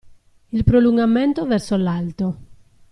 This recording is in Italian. Il prolungamento verso l'alto.